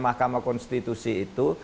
mahkamah konstitusi itu